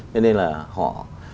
nên là họ